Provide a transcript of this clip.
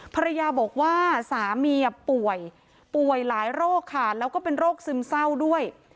ภรรยาบอกว่าสามีป่วยป่วยหลายโรคค่ะแล้วก็เป็นโรคซึมเศร้าด้วย